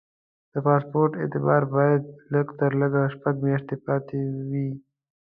د پاسپورټ اعتبار باید لږ تر لږه شپږ میاشتې پاتې وي.